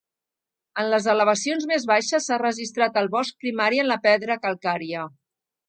En les elevacions més baixes s'ha registrat al bosc primari en la pedra calcària.